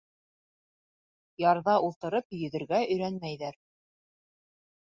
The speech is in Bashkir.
Ярҙа ултырып йөҙөргә өйрәнмәйҙәр.